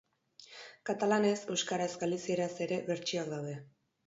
Katalanez, euskaraz, galizieraz ere bertsioak daude.